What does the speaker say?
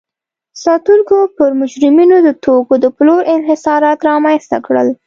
ساتونکو پر مجرمینو د توکو د پلور انحصارات رامنځته کړل.